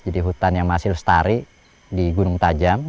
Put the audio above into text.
jadi hutan yang masih lestari di gunung tajam